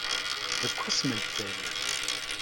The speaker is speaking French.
De quoi se mêle-t-elle ?